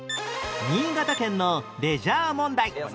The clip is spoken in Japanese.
新潟県のレジャー問題